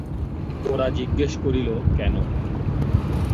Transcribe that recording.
গোরা জিজ্ঞাসা করিল, কেন?